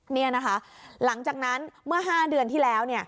นี่นะคะหลังจากนั้นเมื่อ๕เดือนที่แล้ว